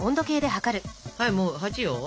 はいもう８よ。